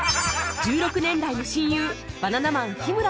１６年来の親友バナナマン日村